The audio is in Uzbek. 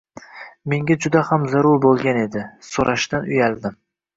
Menga juda ham zarur bo‘lgan edi, so‘rashdan uyaldim.